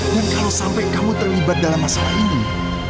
dan kalau sampai kamu terlibat dalam masalah ini